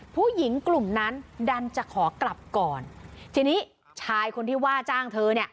ผู้หญิงกลุ่มนั้นดันจะขอกลับก่อนทีนี้ชายคนที่ว่าจ้างเธอเนี่ย